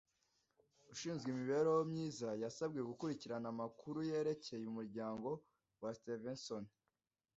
Ushinzwe imibereho myiza yasabwe gukurikirana amakuru yerekeye umuryango wa Stevenson.